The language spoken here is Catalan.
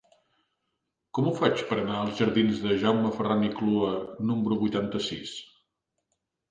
Com ho faig per anar als jardins de Jaume Ferran i Clua número vuitanta-sis?